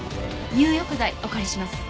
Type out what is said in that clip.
入浴剤お借りします。